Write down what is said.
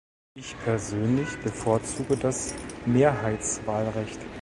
Ich persönlich bevorzuge das Mehrheitswahlrecht.